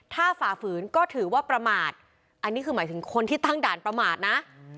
ถ้าฝ่าฝืนก็ถือว่าประมาทอันนี้คือหมายถึงคนที่ตั้งด่านประมาทนะ